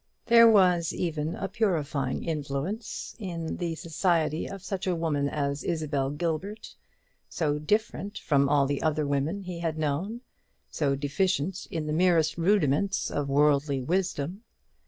There was even a purifying influence in the society of such a woman as Isabel Gilbert, so different from all the other women he had known, so deficient in the merest rudiments of worldly wisdom.